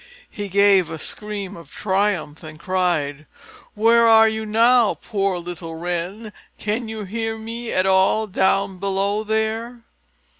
He gave a scream of triumph and cried, "Where are you now, poor little Wren? Can you hear me at all, down below there?"